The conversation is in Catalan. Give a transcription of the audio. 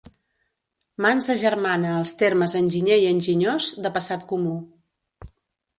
Mans agermana els termes enginyer i enginyós, de passat comú.